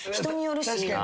人によるし。